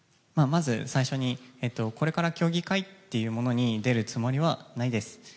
まず、最初にこれから競技会というものに出るつもりはないです。